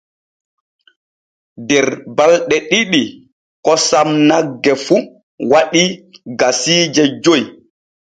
Der balɗe ɗiɗi kosam nagge fu waɗii kasiije joy.